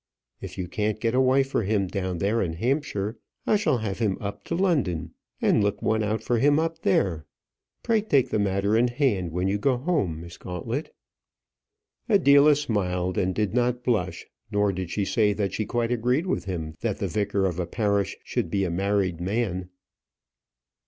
If you can't get a wife for him down there in Hampshire, I shall have him up to London, and look one out for him there. Pray take the matter in hand when you go home, Miss Gauntlet." Adela smiled, and did not blush; nor did she say that she quite agreed with him that the vicar of a parish should be a married man.